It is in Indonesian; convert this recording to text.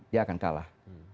dia akan kalah